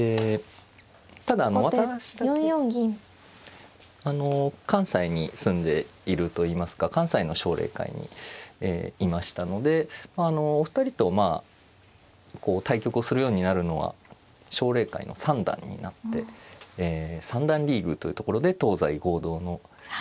ただ私だけ関西に住んでいるといいますか関西の奨励会にいましたのでお二人と対局をするようになるのは奨励会の三段になって三段リーグというところで東西合同の。